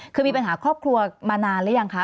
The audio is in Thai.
คือมีปัญหาครอบครัวมานานหรือยังคะ